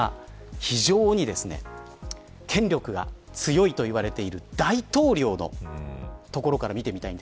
非常に権力が強いと言われている大統領のところから見ていきます。